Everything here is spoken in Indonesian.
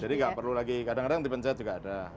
jadi nggak perlu lagi kadang kadang dipencet juga ada